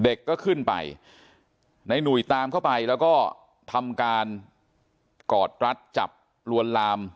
เด็กก็ขึ้นไปในหนุ่ยตามเข้าไปแล้วก็ทำการกอดรัดจับลวนลาม